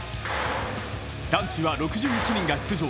男子は６１人が出場。